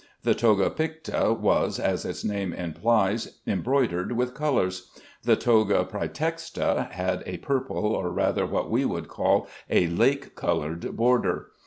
The toga picta was, as its name implies, embroidered with colors. The toga prætexta had a purple or rather what we should call a lake colored border.